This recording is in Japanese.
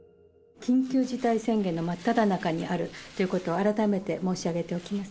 緊急事態宣言の真っただ中にあるということを、改めて申し上げておきます。